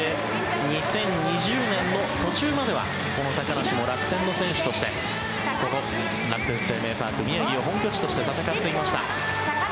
２０２０年の途中まではこの高梨も楽天の選手としてこの楽天生命パーク宮城を本拠地として戦っていました。